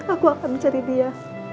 aku akan mencari dia